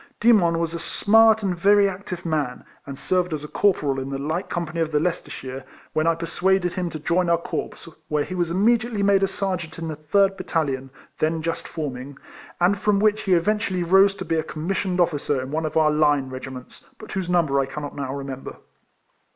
Demon was a smart and very active man, and serving as corporal in tlie light company of the Leicestershire when T persuaded him to join our corps, where he was immediately made a sergeant in the 3rd battalion, then just forming; and from which he eventually rose to be a commissioned officer in one of our line regiments, but whose number I cannot now remember.